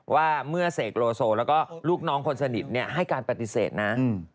ว่าเมื่อเสกโลโซแล้วก็ลูกน้องคนสนิทให้การปฏิเสธนะ